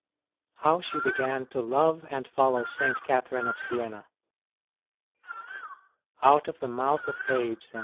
HOW SHE BEGAN TO LOVE AND FOLLOW ST. CATHERINE OF SIENA. Out of the mouth of babes and o.